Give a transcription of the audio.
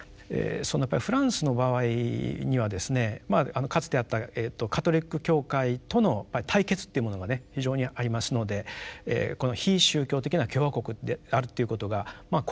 やっぱフランスの場合にはですねかつてあったカトリック教会との対決というものがね非常にありますのでこの非宗教的な共和国であるということが国是にもなっているわけです。